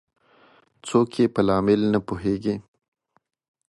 څوک یې په لامل نه پوهیږي